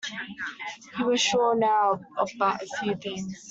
He was sure, now, of but few things.